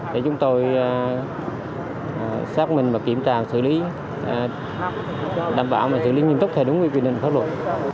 để chúng tôi xác minh và kiểm tra xử lý đảm bảo và xử lý nghiêm túc theo đúng quy định của pháp luật